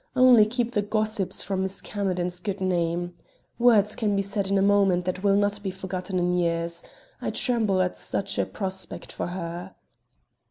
Only keep the gossips from Miss Camerden's good name. Words can be said in a moment that will not be forgotten in years. I tremble at such a prospect for her."